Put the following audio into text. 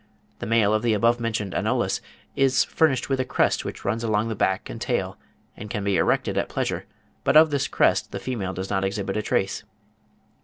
The male of the above mentioned Anolis is furnished with a crest which runs along the back and tail, and can be erected at pleasure; but of this crest the female does not exhibit a trace.